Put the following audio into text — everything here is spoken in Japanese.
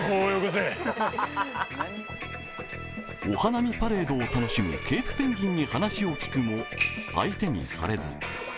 お花見パレードを楽しむケープペンギンに話を聞くも相手にされず。